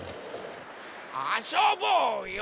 あそぼうよ！